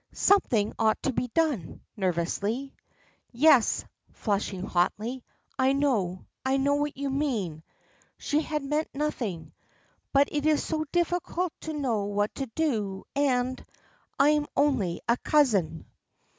"Something ought to be done," nervously. "Yes," flushing hotly; "I know I know what you mean" she had meant nothing "but it is so difficult to know what to do, and I am only a cousin."